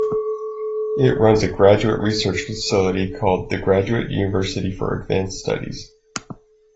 It runs a graduate research facility called The Graduate University for Advanced Studies.